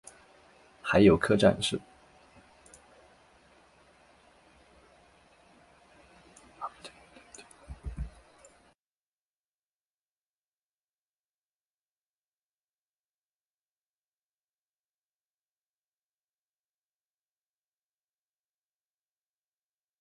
海友客栈是华住酒店集团旗下的经济型酒店连锁品牌。